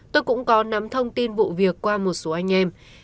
tôi cũng có nắm thông tin vụ việc qua một số anh em